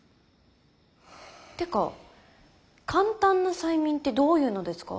ってか簡単な催眠ってどういうのですか？